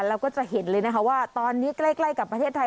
เราก็จะเห็นเลยนะคะว่าตอนนี้ใกล้กับประเทศไทย